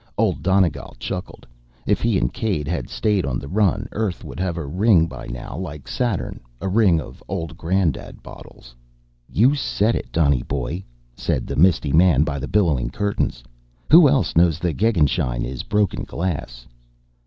Old Donegal chuckled. If he and Caid had stayed on the run, Earth would have a ring by now, like Saturn a ring of Old Granddad bottles. "You said it, Donny boy," said the misty man by the billowing curtains. "Who else knows the gegenschein is broken glass?"